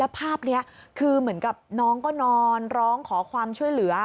ภาพนี้คือเหมือนกับน้องก็นอนร้องขอความช่วยเหลือ